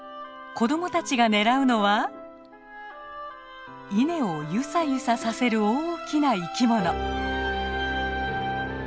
子供たちが狙うのは稲をゆさゆささせる大きな生き物。